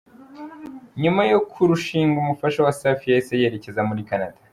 Nyuma yo kurushinga, umufasha wa Safi yahise yerekeza muri Canada.